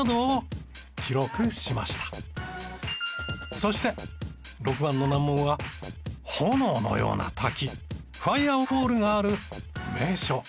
そして６番の難問は炎のような滝ファイアフォールがある名所。